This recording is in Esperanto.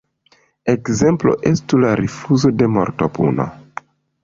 Ekzemplo estu la rifuzo de mortopuno.